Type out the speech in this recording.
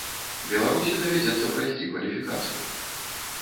Беларусі давядзецца прайсці кваліфікацыю.